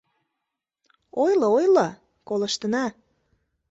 — Ойло-ойло, колыштына.